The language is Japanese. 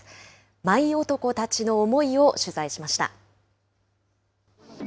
舞男たちの思いを取材しました。